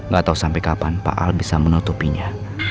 gak tahu sampai kapan pak al bisa menutupinya